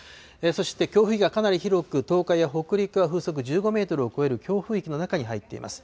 そして強風域がかなり広く、東海や北陸は風速１５メートルを超える強風域の中に入っています。